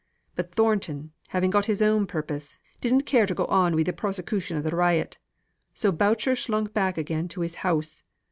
But Thornton, having got his own purpose, didn't care to go on wi' the prosecution for the riot. So Boucher slunk back again to his house.